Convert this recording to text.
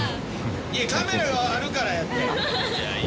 いやカメラがあるからやって。